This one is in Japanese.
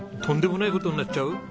とんでもない事になっちゃう？